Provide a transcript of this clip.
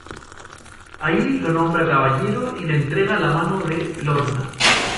Ahí lo nombra caballero y le entrega la mano de Lorna.